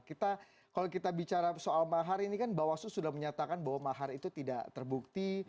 kita kalau kita bicara soal mahar ini kan bawaslu sudah menyatakan bahwa mahar itu tidak terbukti